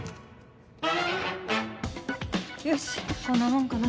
よしこんなもんかな。